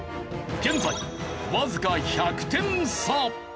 現在わずか１００点差！